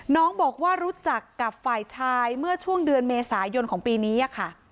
น้องบอกว่ารู้จักกับฝ่ายชายเมื่อช่วงเดือนเมษายนของปีนี้ค่ะ